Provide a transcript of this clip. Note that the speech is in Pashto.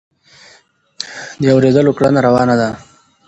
د اورېدلو کړنه روانه ده.